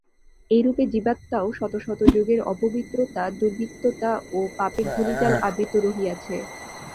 এইরূপে জীবাত্মাও শত শত যুগের অপবিত্রতা, দুর্বৃত্ততা ও পাপের ধূলিজাল আবৃত রহিয়াছে।